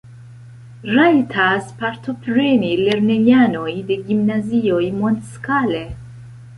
Rajtas partopreni lernejanoj de gimnazioj mondskale.